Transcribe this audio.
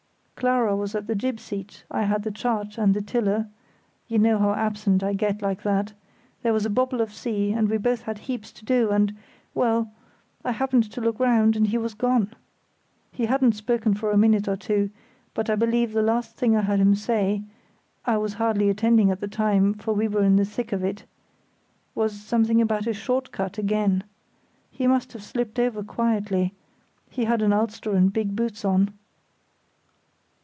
Clara was at the jib sheet, I had the chart and the tiller (you know how absent I get like that); there was a bobble of sea, and we both had heaps to do, and—well—I happened to look round, and he was gone. He hadn't spoken for a minute or two, but I believe the last thing I heard him say (I was hardly attending at the time, for we were in the thick of it) was something about a 'short cut' again. He must have slipped over quietly.... He had an ulster and big boots on."